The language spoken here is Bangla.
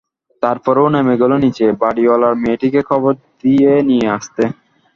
তারপর নেমে গেল নিচে, বাড়িঅলার মেয়েটিকে খবর দিয়ে নিয়ে আসতে।